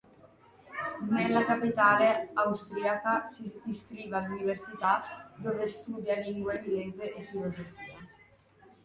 Nella capitale austriaca si iscrive all'università, dove studia lingua inglese e filosofia.